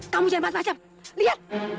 kamu jangan berbacem bacem